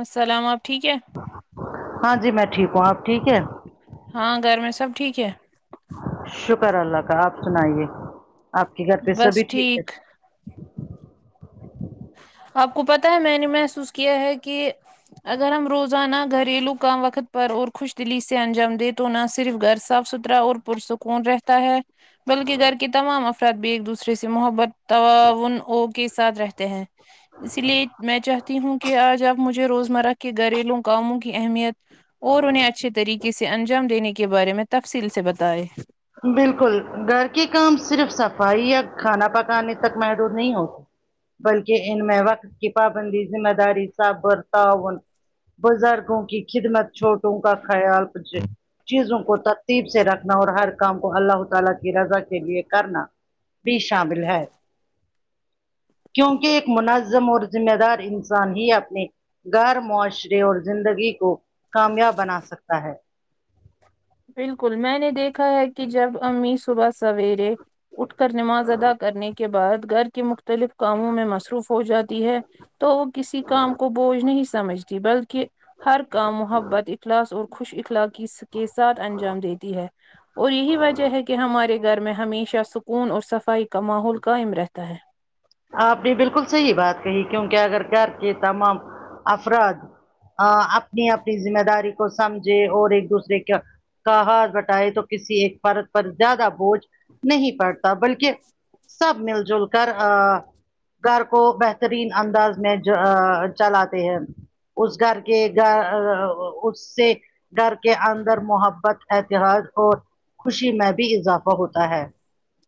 اسلام آپ ٹھیک ہے ہاں جی میں ٹھیک ہوں آپ ٹھیک ہے ہاں گھر میں سب ٹھیک ہے شکر اللہ کا آپ سنائیے آپ کے گھر پہ سبھی ٹھیک ہے آپ کو پتہ ہے میں نے محسوس کیا ہے کہ اگر ہم روزانہ گھریلو کام وقت پر اور خوش دلی سے انجام دے تو نہ صرف گھر صاف ستھرا اور پرسکون رہتا ہے بلکہ گھر کے تمام افراد بھی ایک دوسرے سے محبت تواون او کے ساتھ رہتے تے ہے اسی لیے میں چاہتی ہوں کہ آج آپ مجھے روزمرہ کے گھریلو کاموں کی اہمیت اور انہیں اچھے طریقے سے انجام دینے کی کے بارے میں تفصیل سے بتائے بالکل گھر کے کام صرف صفائی یا کھانا پکانے تک مہدود نہیں ہوتے بلکہ ان میں وقت کی پابندی ذمہ داری صاف برتا ہون بزرگوں کی خدمت چھوٹوں کا خیال کچھ چیزوں کو ترتیب سے رکھنا اور ہر کام کو اللہ تعالی کی رضا کے لیے کرنا بھی شامل ہے کیونکہ ایک منظم اور ذمہ دار انسان ہی اپنے گھر معاشرے اور زندگی کو کامیاب بنا سکتا ہے بالکل میں نے دیکھا ہے کہ جب امی صبح سویرے اٹھ کر نماز ادا کرنے کے بعد گھر کے مختلف کاموں میں مصروف ہو جاتی ہے تو وہ کسی کام کو بوجھ نہیں سمجھتی بلکہ ہر کام محبت اخلاص اور خوش اخلاق سے سات انجام دیتی ہے اور یہی وجہ ہے کہ ہمارے گھر میں ہمیشہ سکھ سکون اور صفائی کا ماحول قائم رہتا ہے آپ نے بالکل صحیح بات کہی کیونکہ اگر گھر کے تمام افراد اپنی اپنی ذمہ داری کو سمجھے اور ایک دوسرے کا کا ہاتھ بٹائے تو کسی ایک پرت پر زیادہ بوجھ نہیں پڑتا بلکہ سب مل جل کر ہاں گھر کو بہترین انداز میں جا چلاتے ہیں اس گھر کے گھر اس سے گھر کے اندر محبت احترج اور خوشی میں بھی اضافہ ہوتا ہے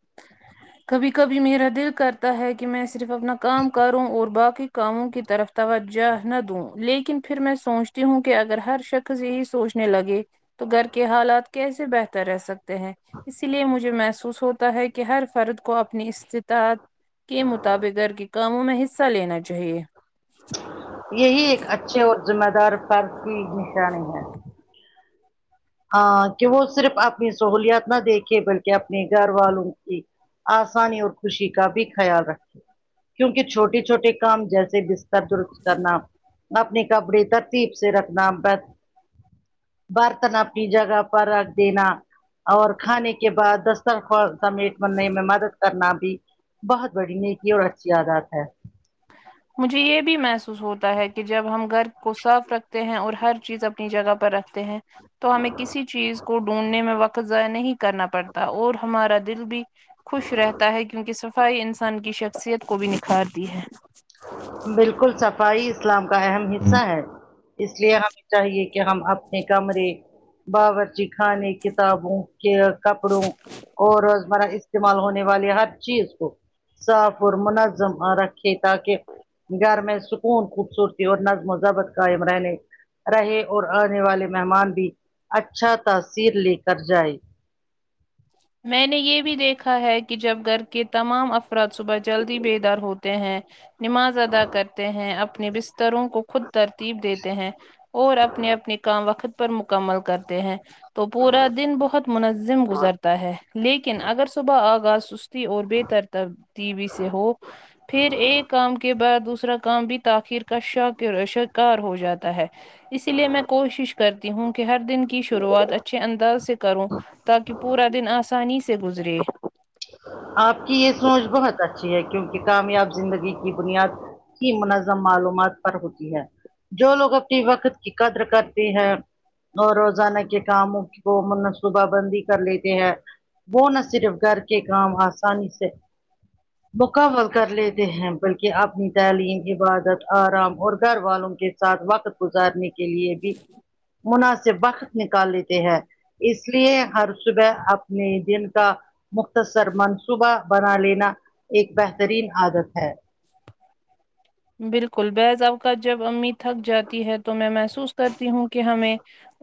[inaudible] کبھی کبھی میرا دل کرتا ہے کہ میں صرف اپنا کام کروں اور باقی کاموں کی طرف توجہ نہ دوں لیکن پھر میں سوچتی ہوں کہ اگر ہر شخص یہی سوچنے لگے تو گھر کے حالات کیسے بہتر رہ سکتے اسی لیے مجھے محسوس ہوتا ہے کہ ہر فرد کو اپنی استطاعت کے مطابق گھر کے کاموں میں حصہ لینا چاہیے یہی ایک اچھے اور ذمہ دار فرد کی نشانی ہے ہاں کہ وہ صرف اپنی سہولیات نہ دیکھے بلکہ اپنے گھر والوں کی آسانی اور خوشی کا بھی خیال رکھے کیونکہ چھوٹے چھوٹے کام جیسے بس سب درست کر نا اپنے کپڑے ترتیب سے رکھنا بر برتن اب نی جگہ پر رکھ دینا اور کھانے کے بعد دسترخوان سمیٹ بننے میں مدد کرنا بھی بہت بڑی نیکی اور اچھی عادات ہے [inaudible] مجھے یہ بھی محسوس ہوتا ہے کہ جب ہم گھر کو صاف رکھتے ہیں اور ہر چیز اپنی جگہ پر رکھتے ہیں تو ہمیں کسی چیز کو ڈھونڈنے میں وقت ضائع نہیں کرنا پڑتا اور ہمارا دل بھی خوش رہتا ہے کیونکہ صفائی انسان کی شخصیت کو بھی نکھارتی ہے بالکل صفائی اسلام کا اہم حصہ ہے اس لیے ہم چاہیے کہ ہم اپنے کمرے باورچی خانے کتابوں کہ کپڑوں اور روزمرہ اس استعمال ہونے والی ہر چیز کو صاف اور منظم رکھے تاکہ گھر میں سکون خوبصورتی اور نظم و ضبط قائم رہے رہے اور آنے والے مہمان بھی اچھا تاثیر لے کر جائے میں نے یہ بھی دیکھا ہے کہ جب گھر کے تمام افراد صبح جلدی بیدار ہوتے ہیں نماز ادا کرتے ہیں اپنے بستروں کو خود ترتیب دیتے ہیں اور اپنے اپنے کام وقت پر مکمل کرتے ہیں تو پورا دن بہت منظم گزرتا ہے لیکن اگر صبح آغاز سس او بےتر ترتیبی سے ہو پھر ایک کام کے بعد دوسرا کام بھی تاخیر کا ش شکار ہو جاتا ہے اسی لیے میں کوشش کر ہوں کہ ہر دن کی شروعات اچھے انداز سے کروں تاکہ پورا دن آسانی سے گزرے آپ کی یہ سوچ بہت اچھی ہے کیونکہ کامیاب زندگی کی بنیاد کی منظم معلومات پر ہوتی ہے جو لوگ اپنی وقت کی قدر کرتے ہیں اور روزانہ کے کاموں کو منصوبہ بندی کر لیتے ہیں وہ نہ صرف گھر کے کام آسانی سے مکمل کر لیتے ہیں بلکہ اپنی تعلیم عبادت آرام اور گھر والوں کے ساتھ وقت گزارنے کے لیے بھی مناسب وقت نکال لیتے ہیں اس لیے ہر صبح اپنے دن کا مختصر منصوبہ بنا لینا ایک بہترین عادت ہے بالکل بعض اوقات جب امی تھک جاتی ہے تو میں محسوس کرتی ہوں کہ ہمیں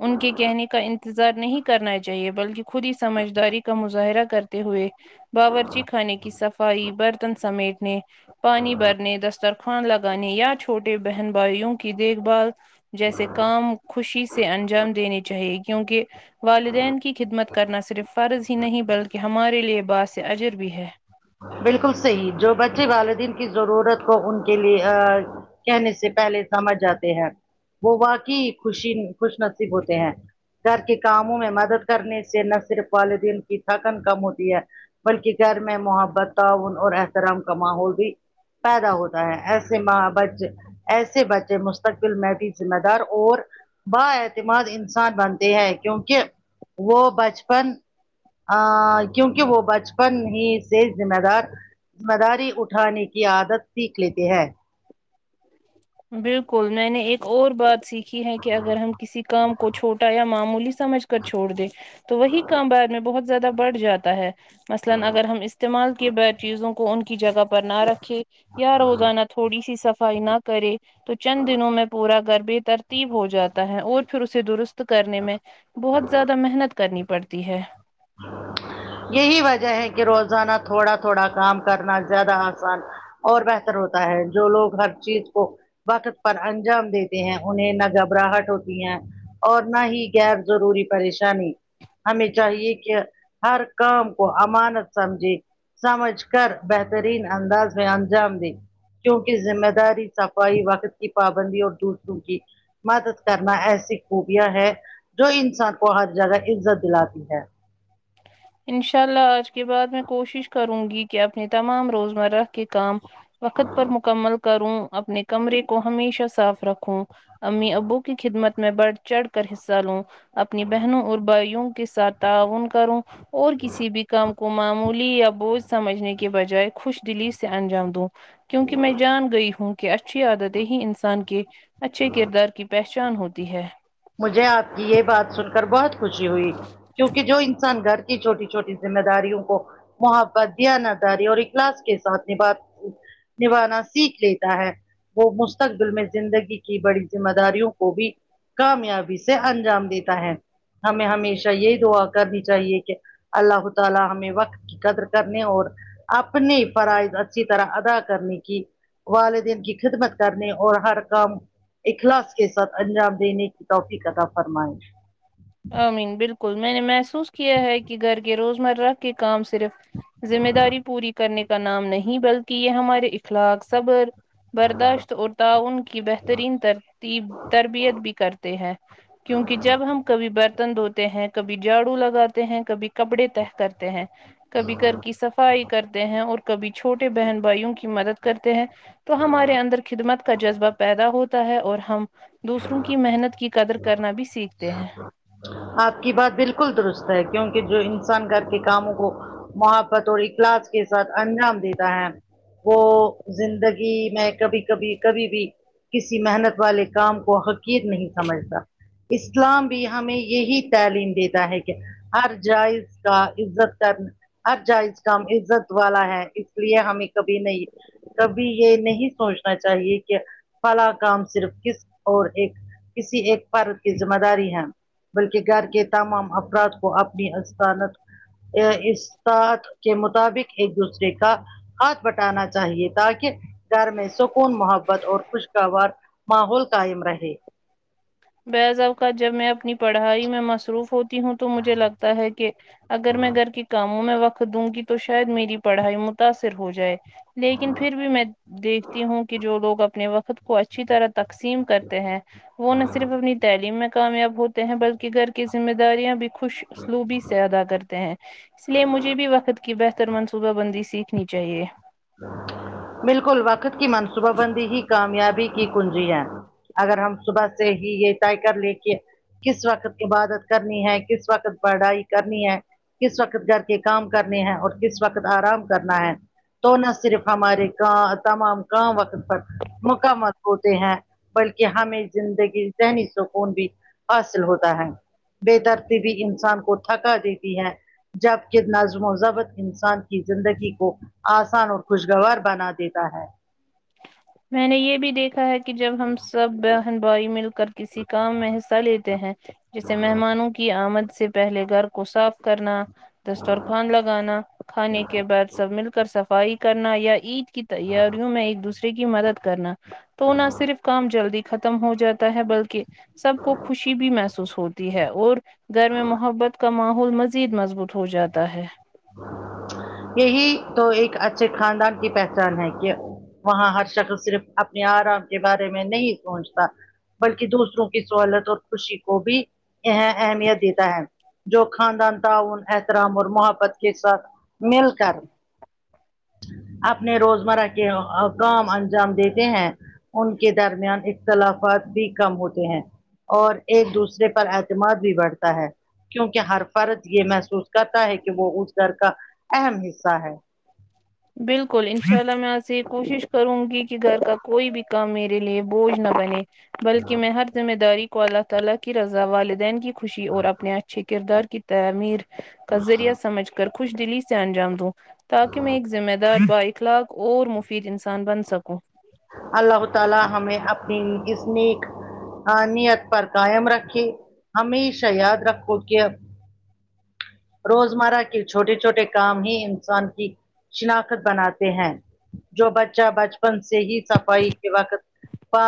ان کے کہنے کا انتظار نہیں کرنا چاہیے بلکہ خود ہی سمجھداری کا مظاہرہ کر ہوئے باورچی خانے کی صفائی برتن سمیٹنے پانی بھرنے دسترخوان لگانے یا چھوٹے بہن بھائیوں کی دیکھ بھال جیسے کام خوشی سے انجام دینے چاہیے کیونکہ والدین کی خدمت کرنا صرف فرض ہی نہیں بلکہ ہمارے لیے باعث اجر بھی ہے بالکل صحیح جو بچے والدین کی ضرورت کو ان کے لیے آ کہنے سے پہلے سمجھ جاتے ہیں وہ واقعی خوشی خوش نصیب ہوتے ہیں گھر کے کاموں میں مدد کرنے سے نہ صرف والدین کی تھکن کم ہوتی ہے بلکہ گھر میں محبت تعاون اور احترام کا ماحول بھی پیدا ہوتا ہے ایسے ماں بچے ایسے بچے مستقبل میں بھی ذمہ دار اور با اعتماد انسان بنتے ہے کیونکہ وہ بچپن آں کیونکہ وہ بچپن ہی سے ذمےدار ذمہ داری اٹھانے کی عادت سیکھ لیتے ہیں بالکل میں نے ایک اور بات سیکھی ہے کہ اگر ہم کسی کام کو چھوٹا یا معمولی سمجھ کر چھوڑ دے تو وہی کام بعد میں بہت زیادہ بڑھ جاتا ہے مثلا اگر ہم استعمال کیے بے چیزوں کو ان کی جگہ پر نہ رکھے یا روزانہ تھوڑی سی صفائی نہ کرے تو چند دنوں میں پورا گھر بے ترتیب ہو جاتا ہے اور پھر اسے درست کرنے میں بہت زیادہ محنت کرنی پڑتی ہے یہی وجہ ہے کہ روزانہ تھوڑا تھوڑا کام کرنا زیادہ آسان اور بہتر ہوتا ہے جو لوگ ہر چیز کو وقت پر انجام دیتے ہیں انہیں نہ گھبراہٹ ہوتی ہے اور نہ ہی غیر ضروری پریشانی ہمیں چاہیے کہ ہر کام کو امانت سمجھے سمجھ کر بہترین انداز میں انجام دے کیونکہ ذمہ داری صفائی وقت کی پابندی اور دوسروں کی مدد کرنا ایسی خوبیاں ہے جو انسان کو ہر جگہ عزت دلاتی ہے انشاء اللہ آج کے بعد میں کوشش کروں گی کہ اپنی تمام روزمرہ کے کام وقت پر مکمل کروں اپنے کمرے کو ہمیشہ صاف رکھوں امی ابو کی خدمت میں بڑھ چڑھ کر حصہ لوں اپنی بہنوں اور بھائیوں کے ساتھ تعاون کروں اور کسی بھی کام کو معمولی یا بوجھ سمجھنے کے بجائے خوش دلی سے انجام دوں کیونکہ میں جان گئی ہوں کہ اچھی عادتیں ہی انسان کے اچھے کردار کی پہچان ہوتی ہے مجھے آپ کی یہ بات سن کر بہت خوشی ہوئی کیونکہ جو انسان گھر کی چھوٹی چھوٹی ذمہ داریوں کو محبت دیانتداری اور اخلاص کے ساتھ میں بات نبھانا سیکھ لیتا ہے وہ مستقبل میں زندگی کی بڑی ذمہ داریوں کو بھی کامیابی سے انجام دیتا ہے ہمیں ہمیشہ یہ دعا کرنی چاہیے کہ اللہ تعالی ہمیں وقت کی قدر کرنے اور اپنے فرائض اچھی طرح ادا کرنے کی والدین کی خدمت کرنے اور ہر کام اخلاص کے ساتھ انجام دینے کی توفیق عطا فرمائش آمین بالکل میں نے محسوس کیا ہے کہ گھر کے روزمرہ کے کام صرف ذمہ داری پوری کرنے کا نام نہیں بلکہ یہ ہمارے اخلاق صبر برداشت اور تعاون کی بہترین ترتیب تربیت بھی کرتے ہیں کیونکہ جب ہم کبھی برتن دھوتے تے ہیں کبھی جاڑو لگاتے ہیں کبھی کپڑے طے کرتے ہیں کبھی گھر کی سف صفائی کرتے ہیں اور کبھی چھوٹے بہن بھائیوں کی مدد کرتے ہیں تو ہمارے اندر خدمت کا جذبہ پیدا ہوتا ہے اور ہم دوسروں کی محنت کی قدر کرنا بھی سیکھتے ہیں آپ کی بات بالکل درست ہے کیونکہ جو انسان گھر کے کاموں کو محبت اور اخلاص کے ساتھ انجام دیتا ہے وہ زندگی میں کبھی کبھی کبھی بھی کسی محنت والے کام کو حقیر نہیں سمجھتا اسلام بھی ہمیں یہی تعلیم دیتا ہے کہ ہر جائز کا عزت کر ہر جائز کام عزت والا ہے اس لیے ہمیں کبھی نہیں کبھی یہ نہیں سوچنا چاہیے کہ فلا کام صرف کس اور ایک کسی ایک پر کی ذمہ داری ہے بلکہ گھر کے تمام افراد کو اپنی اسانت اسطاعت کے مطابق ایک دوسرے کا ہاتھ بٹانا چاہیے تاکہ گھر میں سکون محبت اور خوشگوار ماحول قائم رہے بعض اوقا جب میں اپنی پڑھائی میں مصروف ہو تی ہوں تو مجھے لگتا ہے کہ اگر میں گھر کے کاموں میں وقت کھ دوں گی تو شاید میری پڑھائی متاثر ہو جائے لیکن پھر بھی میں دیکھتی ہوں کہ جو لوگ اپنے وقت کو اچھی طرح تقسیم کرتے ہیں وہ نہ صرف اپنی تعلیم میں کامیاب ہوتے ہیں بلکہ گھر کی ذمہ داریاں بھی خوش سلوبی سے ادا کرتے ہیں اس لیے مجھے بھی وقت کی بہتر منصوبہ بندی س نی چاہیے بالکل وقت کی منصوبہ بندی ہی کامیابی کی کنجی ہے اگر ہم صبح سے ہی یہ طے کر لے کے کس وقت عبادت کرنی ہے کس وقت پڑھائی کرنی ہے کس وقت گھر کے کام کرنے ہیں اور کس وقت آرام کرنا ہے تو نہ صرف ہمارے تمام کام وقت پر مقامات ہوتے ہیں بلکہ ہمیں زندگی ذہنی سکون بھی حاصل ہوتا ہے بے درتی بھی انسان کو تھکا دیتی ہے جبکہ نظم و ضبط انسان کی زندگی کو آسان اور خوشگوار بنا دیتا ہے میں نے یہ بھی دیکھا ہے کہ جب ہم سب بہن بھائی مل کر کسی کام میں حصہ لیتے ہیں جیسے مہمانوں کی آمد سے پہلے گھر کو صاف کرنا دستر خوان لگانا کھانے کے بعد سب مل کر صفائی کرنا یا عید کی تیاریوں میں ایک دوسرے کی مدد کرنا تو نہ صرف کام جلدی ختم ہو جاتا ہے بلکہ سب کو خوشی بھی محسوس ہوتی ہے اور گھر میں محبت کا ماحول مزید مضبوط ہو جاتا ہے یہی تو ایک اچھے خاندان کی پہچان ہے کہ وہاں ہر شکل صرف اپنے آرام کے بارے میں نہیں سوچتا بلکہ دوسروں کی سہولت اور خوشی کو بھی اہمیت دیتا ہے جو خاندان تعاون احترام اور محبت کے ساتھ مل کر اپنے روزمرہ کے کام انجام دیتے ہیں ان کے درمیان اختلافات بھی کم ہوتے ہیں اور ایک دوسرے پر اعتماد بھی بڑھتا ہے کیونکہ ہر فرد یہ محسوس کرتا ہے کہ وہ اس گھر کا اہم حصہ ہے بالکل ان شاء اللہ میں آپ سے یہ کوشش کروں گی کہ گھر کا کوئی بھی کام میرے لیے بوجھ نہ بنے بلکہ میں ہر ذمہ داری کو اللہ تعالی کی رضا والدین کی خوشی اور اپنے اچھے کردار کی تعمیر کا ذریعہ سمجھ کر خوش دلی سے انجام دوں تاکہ میں ایک ذمہ دار بائک کب اور مفید انسان بن سکوں اللہ تعالی ہمیں اپنی اس نیک نیت پر قائم رکھے ہمیشہ یاد رکھو کہ روزمرہ کے چھوٹے چھوٹے کام ہی انسان کی شناخت بناتے ہیں جو بچہ بچپن سے ہی صفائی کے وقت پا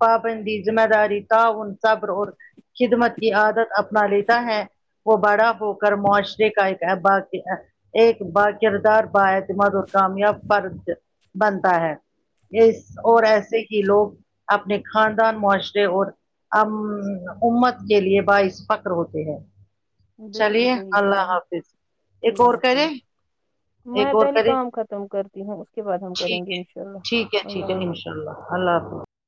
پابندی زمیداری تاؤن صبر اور خدمت کی عادت اپنا لیتا ہے وہ بڑا ہو کر معاشرے کا ایک احباس بھی آ ایک با کردار با اعتماد اور کامیاب فرض بنتا ہے اس اور ایسے ہی لوگ اپنے خاندان معاشرے اور ام امت کے لیے باعث فخر ہوتے ہیں بالکل چلیے صحیح کہا اللہ آپ نے، حافظ ایک اللہ اور کرے حافظ ایک میں اور پہلے کرے کام ختم کرتی ہوں اس کے بعد ہم ٹھیک کریں گے ہے انشاء ٹھیک ہے اللہ ٹھیک ہے اللہ ان حافظ شاء اللہ اللہ حافظ